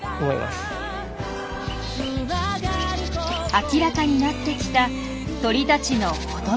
明らかになってきた鳥たちの言葉の秘密。